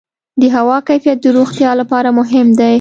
د هوا کیفیت د روغتیا لپاره مهم دی.